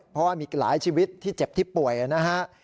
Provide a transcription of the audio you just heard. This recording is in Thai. เพราะว่ามีอีกหลายชีวิตที่เจ็บที่ป่วยนะฮะ